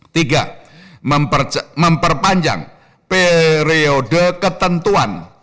tiga memperpanjang periode ketentuan